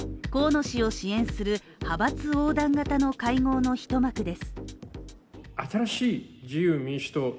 河野氏を支援する派閥横断型の会合の一幕です。